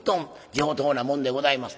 上等なもんでございます。